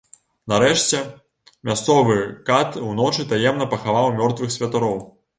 Нарэшце мясцовы кат уночы таемна пахаваў мёртвых святароў.